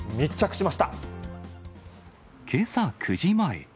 けさ９時前。